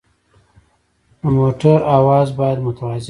د موټر اواز باید متوازن وي.